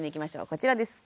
こちらです。